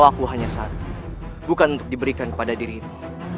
aku hanya satu bukan untuk diberikan kepada dirimu